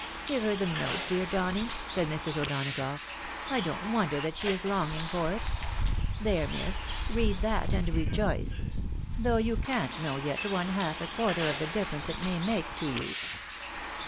" Give her the note, dear Donny," said Mrs. O'Donagough ;" I don't wonder that she is longing for it. There, miss ! read that, and rejoice — ^though you can't know yet one half a quarter of the difference it may make to you."